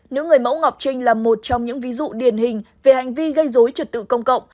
nữ người mẫu ngọc trinh là một trong những ví dụ điển hình về hành vi gây dối trật tự công cộng